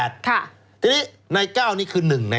ทีนี้ใน๙นี่คือ๑ใน